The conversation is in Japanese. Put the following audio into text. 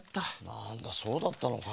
なんだそうだったのか。